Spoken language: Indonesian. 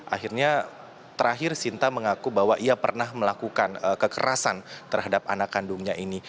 akhirnya terakhir sinta mengaku bahwa ia pernah melakukan kekerasan terhadap anak kandungnya ini